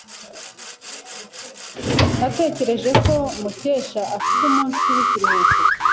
Natekereje ko Mukesha afite umunsi w'ikiruhuko.